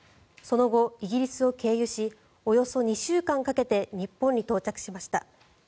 その後、イギリスを経由しおよそ２週間かけて日本に到着しました。